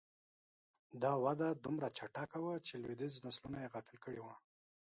دا وده دومره چټکه وه چې لوېدیځ نسلونه یې غافل کړي وو